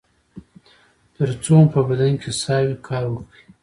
تر څو مو په بدن کې ساه وي کار وکړئ